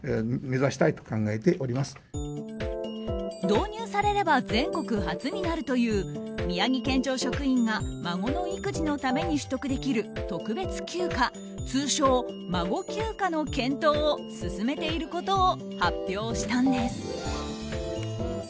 導入されれば全国初になるという宮城県庁職員が、孫の育児のために取得できる特別休暇通称、孫休暇の検討を進めていることを発表したんです。